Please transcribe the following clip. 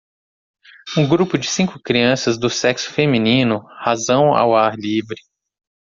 Um grupo de cinco crianças do sexo feminino razão ao ar livre.